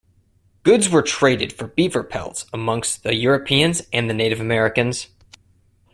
Goods were traded for beaver pelts amongst the Europeans and the Native Americans.